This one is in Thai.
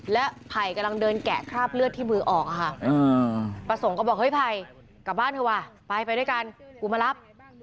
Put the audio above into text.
และไผ่กำลังเดินแกะคราบเลือดที่มือออกค่ะประสงค์ก็บอกเฮ้ยไผ่กลับบ้านเถอะว่ะไปไปด้วยกันกูมารับ